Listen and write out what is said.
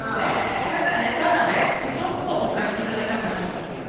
ごめんなさいねただねちょっと誤解していただきたくないんですよね。